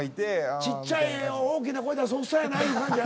ちっちゃい大きな声出すおっさんやないう感じやな。